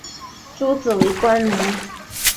诸子为官奴。